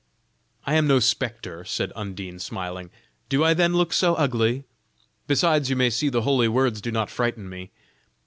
"I am no spectre," said Undine, smiling; "do I then look so ugly? Besides you may see the holy words do not frighten me.